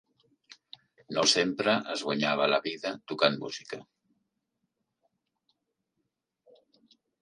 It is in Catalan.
No sempre es guanyava la vida tocant música.